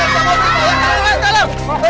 angkat tangan ke mobil pak ya